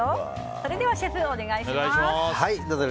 それではシェフ、お願いします。